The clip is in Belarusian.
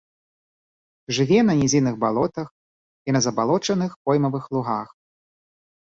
Жыве на нізінных балотах і на забалочаных поймавых лугах.